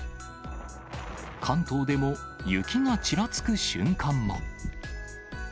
関東でも雪がちらつく瞬間も。